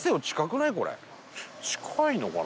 近いのかな？